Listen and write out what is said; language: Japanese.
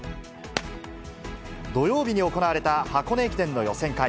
土曜日に行われた箱根駅伝の予選会。